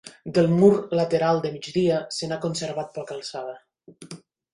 Del mur lateral de migdia se n'ha conservat poca alçada.